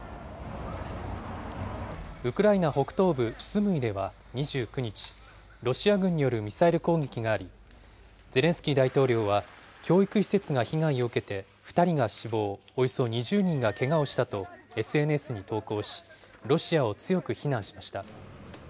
ウクライナ北東部スムイでは２９日、ロシア軍によるミサイル攻撃があり、ゼレンスキー大統領は、教育施設が被害を受けて、２人が死亡、およそ２０人がけがをしたと、ＳＮＳに投稿し、ロシアを強く非難しました。